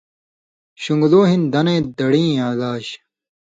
شِنگلُو ہِن دنَیں دڑیں علاج